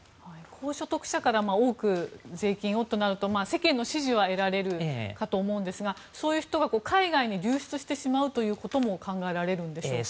高所得者から多く税金をとなると世間の支持は得られるかと思うんですがそういう人は海外に流出してしまうということも考えられるんでしょうか。